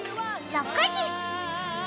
６時！